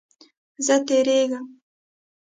زه تیریږم